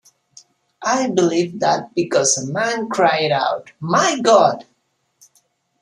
I believed that because a man cried out 'My God!'